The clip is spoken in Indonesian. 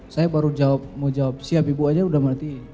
saya baru jawab mau jawab siap ibu aja udah mati